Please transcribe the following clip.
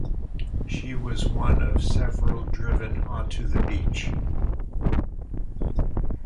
She was one of several driven onto the beach.